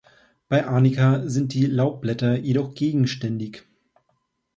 Bei Arnika sind die Laubblätter jedoch gegenständig.